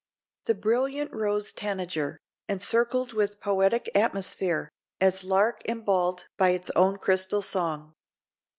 The brilliant Rose Tanager, "Encircled with poetic atmosphere, As lark emballed by its own crystal song."